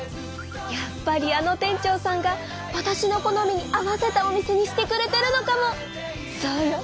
やっぱりあの店長さんがわたしの好みに合わせたお店にしてくれてるのかも⁉そうよ